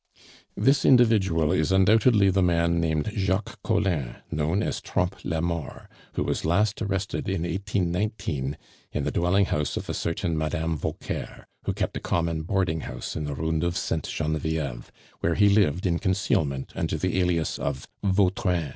"This individual is undoubtedly the man named Jacques Collin, known as Trompe la Mort, who was last arrested in 1819, in the dwelling house of a certain Madame Vauquer, who kept a common boarding house in the Rue Nueve Sainte Genevieve, where he lived in concealment under the alias of Vautrin."